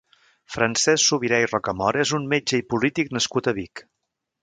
Francesc Subirà i Rocamora és un metge i polític nascut a Vic.